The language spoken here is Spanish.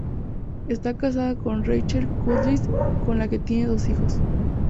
Está casado con Rachel Cudlitz, con la que tiene dos hijos.